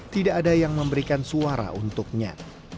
tidak ada yang memberikan suara untuknya